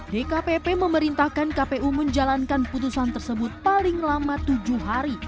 dkpp memerintahkan kpu menjalankan putusan tersebut paling lama tujuh hari